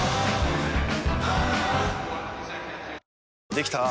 できたぁ。